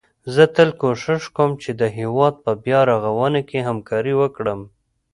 زه تل کوښښ کوم چي د هيواد په بيا رغونه کي همکاري وکړم